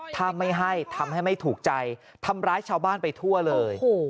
ถ้าไม่ให้ทำให้ไม่ถูกใจทำร้ายชาวบ้านไปทั่วเลย